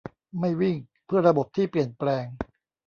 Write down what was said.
ไม่วิ่งเพื่อระบบที่เปลี่ยนแปลง